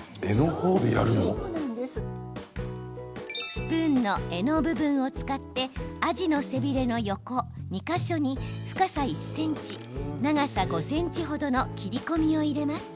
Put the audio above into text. スプーンの柄の部分を使ってアジの背びれの横２か所に深さ１ｃｍ、長さ５ｃｍ程の切り込みを入れます。